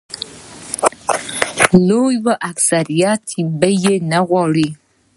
لوی اکثریت به یې نه غواړي.